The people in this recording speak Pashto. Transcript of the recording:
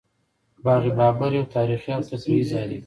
باغ بابر یو تاریخي او تفریحي ځای دی